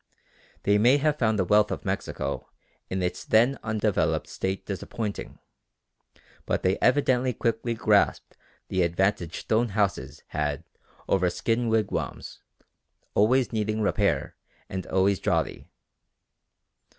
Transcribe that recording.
They may have found the wealth of Mexico in its then undeveloped state disappointing, but they evidently quickly grasped the advantage stone houses had over skin wigwams always needing repair and always draughty.